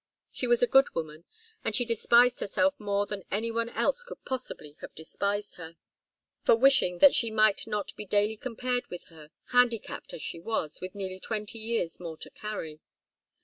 She was a good woman, and she despised herself more than any one else could possibly have despised her, for wishing that she might not be daily compared with her, handicapped, as she was, with nearly twenty years more to carry.